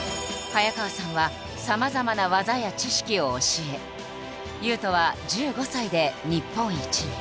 早川さんはさまざまな技や知識を教え雄斗は１５歳で日本一に。